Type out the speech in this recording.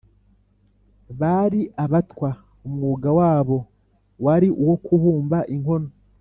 Bari abatwa; umwuga wabo wari uwo kubumba inkono